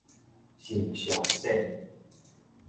腎上腺